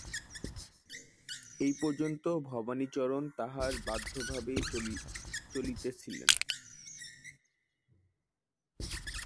এ পর্যন্ত ভবানীচরণ তাঁহার বাধ্যভাবেই চলিতেছিলেন।